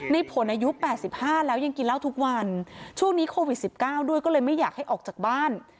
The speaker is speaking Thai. ในผลอายุ๘๕แล้วยังกินเหล้าทุกวันช่วงนี้โควิด๑๙ด้วยก็เลยไม่อยากให้ออกจากบ้าน